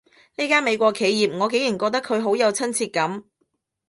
呢間美國企業，我竟然覺得佢好有親切感